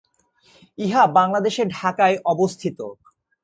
ইহা বাংলাদেশের ঢাকায় অবস্থিত।